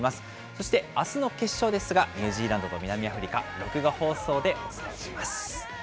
そしてあすの決勝ですが、ニュージーランドと南アフリカ、録画放送でお伝えします。